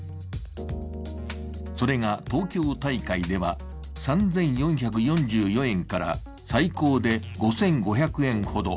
それが東京大会では３４４４円から最高で５５００円ほど。